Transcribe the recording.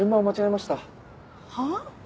はっ？